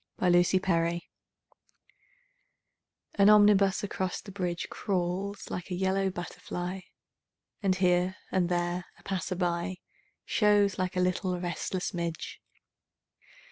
SYMPHONY IN YELLOW AN omnibus across the bridge Crawls like a yellow butterfly And, here and there, a passer by Shows like a little restless midge.